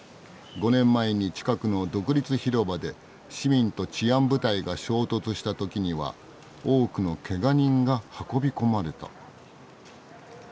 ５年前に近くの独立広場で市民と治安部隊が衝突したときには多くのけが人が運び込まれた」。